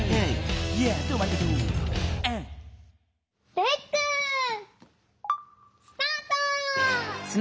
レックスタート！